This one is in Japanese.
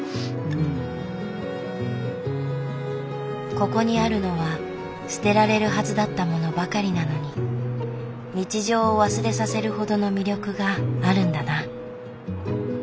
ここにあるのは捨てられるはずだったものばかりなのに日常を忘れさせるほどの魅力があるんだな。